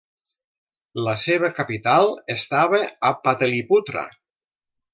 La seva capital estava a Pataliputra.